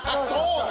そう。